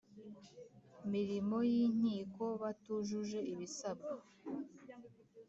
mirimo y inkiko batujuje ibisabwa